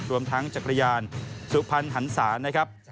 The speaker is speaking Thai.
รวมทั้งจักรยานสุพรรณหันศานะครับ